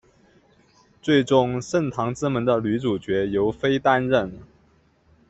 最终圣堂之门的女主角由飞担任。